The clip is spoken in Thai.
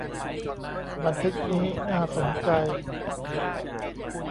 บันทึกนี้น่าสนใจ